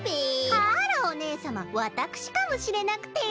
あらおねえさまわたくしかもしれなくてよ。